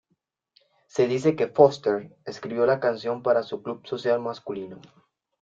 Se dice que Foster escribió la canción para su club social masculino.